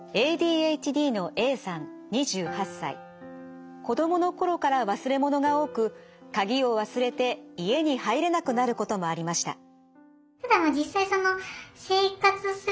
ＡＤＨＤの子どもの頃から忘れ物が多く鍵を忘れて家に入れなくなることもありました。